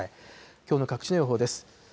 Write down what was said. きょうの各地の予報です。